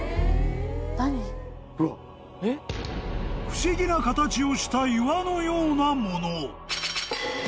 ［不思議な形をした岩のようなもの］